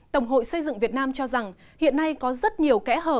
tổng hội xây dựng việt nam cho rằng hiện nay có rất nhiều kẽ hở